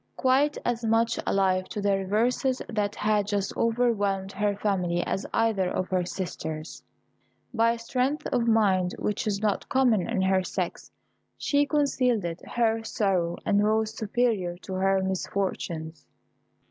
Quite as much alive to the reverses that had just overwhelmed her family as either of her sisters, by a strength of mind which is not common in her sex, she concealed her sorrow, and rose superior to her misfortunes.